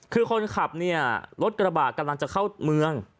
คือคนขับเนี่ยรถกระบะกำลังจะเข้าเมือง